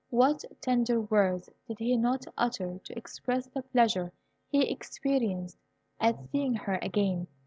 What tender words did he not utter to express the pleasure he experienced at seeing her again?